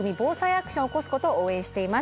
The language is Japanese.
アクションを起こすことを応援しています。